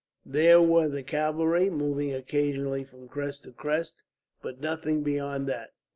There were the cavalry, moving occasionally from crest to crest, but nothing beyond that.